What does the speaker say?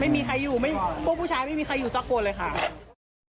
ไม่มีใครอยู่พวกผู้ชายไม่มีใครอยู่สักคนเลยค่ะ